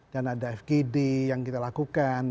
dan ada fgd yang kita lakukan